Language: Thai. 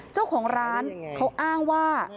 เจ้าของร้านเขาอ้างว่า